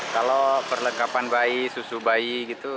kalau perlengkapan bayi susu bayi gitu